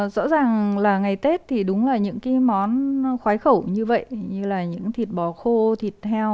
rõ ràng là ngày tết thì đúng là những cái món khoái khẩu như vậy như là những thịt bò khô thịt heo